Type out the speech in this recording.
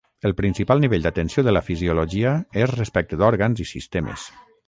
El principal nivell d'atenció de la fisiologia és respecte d'òrgans i sistemes.